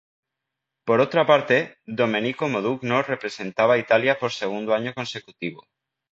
Por otra parte, Domenico Modugno representaba a Italia por segundo año consecutivo.